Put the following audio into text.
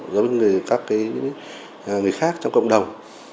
giống như các người khác trong cộng đồng